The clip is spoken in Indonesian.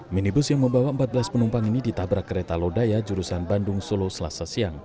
minibus yang membawa empat belas penumpang ini ditabrak kereta lodaya jurusan bandung solo selasa siang